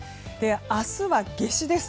明日は夏至です。